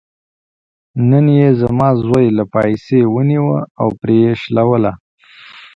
نن یې زما زوی له پایڅې ونیوه او پرې یې شلوله.